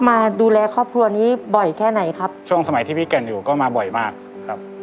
มาดูแลครอบครัวนี้บ่อยแค่ไหนครับช่วงสมัยที่พี่แก่นอยู่ก็มาบ่อยมากครับ